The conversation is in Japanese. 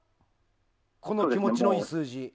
この気持ちのいい数字？